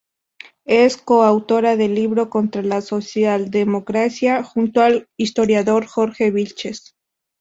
Es co-autora del libro "Contra la socialdemocracia", junto al historiador Jorge Vilches.